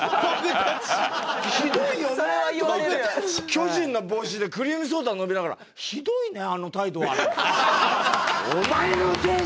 巨人の帽子でクリームソーダ飲みながら「ひどいねあの態度は」。